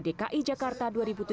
dki jakarta dua ribu tujuh belas